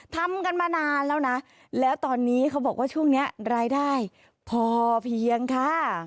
ทำกันมานานแล้วนะแล้วตอนนี้เขาบอกว่าช่วงนี้รายได้พอเพียงค่ะ